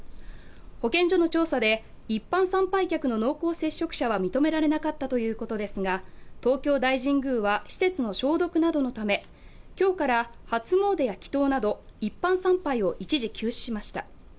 保健所の調査で、一般参拝客の濃厚接触者は認められなかったということですが、東京大神宮は施設の消毒などのため今日から初詣や祈とうなど、一般参拝を一時休止しました。